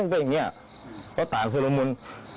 มันก็ถามตรงจุด